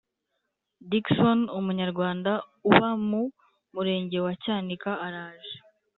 Dickson Umunyarwanda uba mu Murenge wa cyanika araje.